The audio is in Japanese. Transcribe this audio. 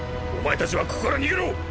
お前たちはここから逃げろ！！